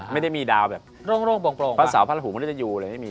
ไม่ได้มีดาวแบบพระสาวพระหูไม่ได้อยู่เลยไม่มี